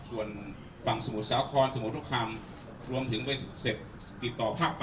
ส่วนฝั่งสมุทรสาครสมุทรคำรวมถึงไปเสร็จติดต่อภาคไป